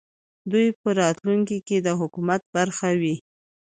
دوی په راتلونکې کې د حکومت برخه وي